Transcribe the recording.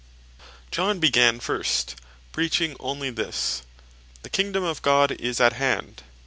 John began first, (Mat. 3.2.) preaching only this, "The Kingdome of God is at hand."